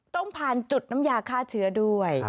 ต้องผ่านจุดน้ำยาฆ่าเชื้อด้วย